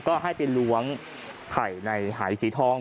ก็ให้ไปล้วงไข่ในหายสีทอง